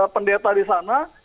pendeta di sana